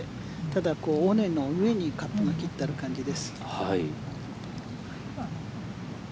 ただ、尾根の上にカップが切ってある感じです。